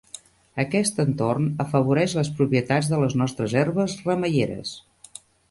Aquest entorn afavoreix les propietats de les nostres herbes remeieres.